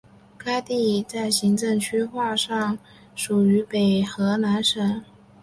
该地在行政区划上属于北荷兰省。